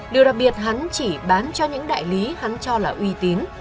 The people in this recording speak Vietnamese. điều đặc biệt hắn chỉ bán cho những đại lý hắn cho là uy tín